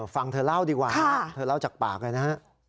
ฟังเธอเล่าดีกว่าเธอเล่าจากปากกันนะ